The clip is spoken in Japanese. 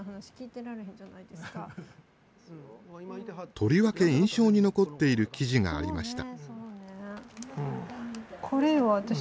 とりわけ印象に残っている記事がありました。